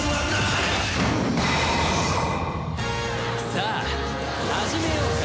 さあ始めようか。